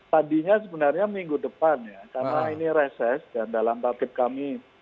tadinya sebenarnya minggu depan ya karena ini reses dan dalam tabit kami